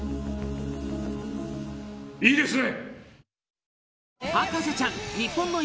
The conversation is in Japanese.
いいですね！